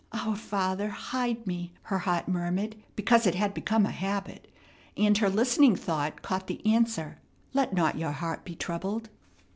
"Our Father, hide me!" her heart murmured, because it had become a habit; and her listening thought caught the answer, "Let not your heart be troubled."